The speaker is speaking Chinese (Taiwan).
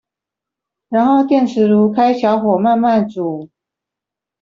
然後電磁爐開小火慢慢煮